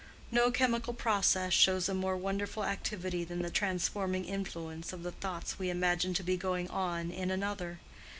No chemical process shows a more wonderful activity than the transforming influence of the thoughts we imagine to be going on in another.